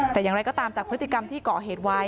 แต่อย่างไรก็ตามจากพฤติกรรมที่ก่อเหตุไว้